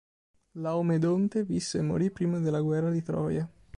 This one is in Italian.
Laomedonte visse e morì prima della guerra di Troia.